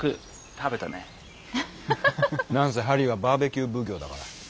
何せハリーはバーベキュー奉行だから。